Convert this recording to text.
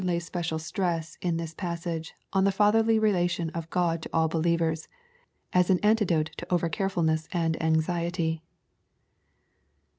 lays special stress in this passage on the Fatherly relation of Ck)d to all believers, as an antidote to over carefulness and anxiety.